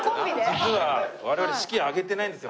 実は我々式挙げてないんですよ。